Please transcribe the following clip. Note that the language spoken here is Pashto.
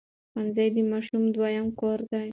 ښوونځی د ماشوم دویم کور دی.